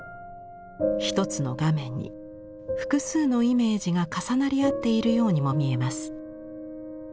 一つの画面に複数のイメージが重なり合っているようにも見えます。